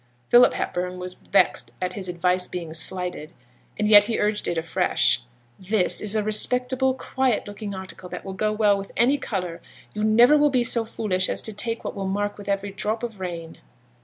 Philip Hepburn was vexed at his advice being slighted; and yet he urged it afresh. 'This is a respectable, quiet looking article that will go well with any colour; you niver will be so foolish as to take what will mark with every drop of rain.'